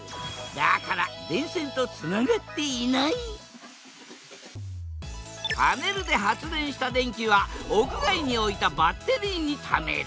だからパネルで発電した電気は屋外に置いたバッテリーにためる。